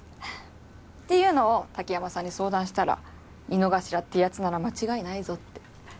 っていうのを滝山さんに相談したら井之頭ってやつなら間違いないぞって。